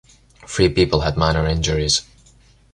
Three people had minor injuries.